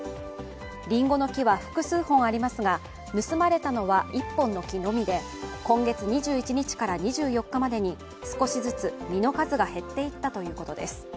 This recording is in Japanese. りんごの木は複数本ありますが、盗まれたのは１本の木のみで、今月２１日から２４日までに少しずつ実の数が減っていったということです。